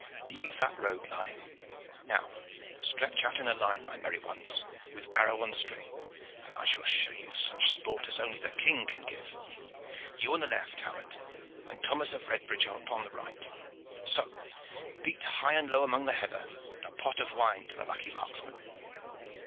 Leave that rogue lying. Now stretch out in line, my merry ones, with arrow on string, and I shall show you such sport as only the King can give. You on the left, Howett, and Thomas of Redbridge upon the right. So! Beat high and low among the heather, and a pot of wine to the lucky marksman."